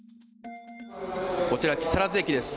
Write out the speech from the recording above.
こちら、木更津駅です。